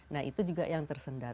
nah itu juga yang tersendat